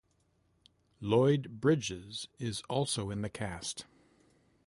Lloyd Bridges is also in the cast.